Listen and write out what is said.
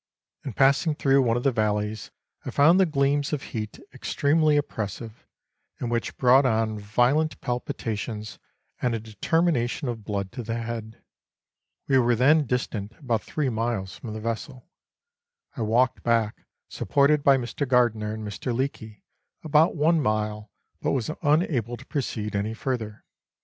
In passing through one of the valleys I found the gleams of heat extremely oppressive, and which brought on violent palpitations and a determination of blood to the head. We were then distant about three miles from the vessel. I walked back, supported by Mr. Gardiner and Mr. Leake, about one mile, but was unable to proceed any further.